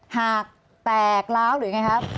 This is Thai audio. หากแตกล้าวหรือยังไงครับ